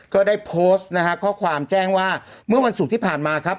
ก็ได้โพสต์นะฮะข้อความแจ้งว่าเมื่อวันศุกร์ที่ผ่านมาครับ